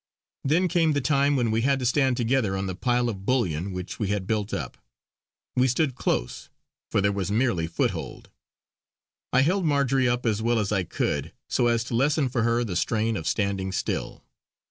Then came the time when we had to stand together on the pile of bullion which we had built up. We stood close, for there was merely foothold; I held Marjory up as well as I could, so as to lessen for her the strain of standing still.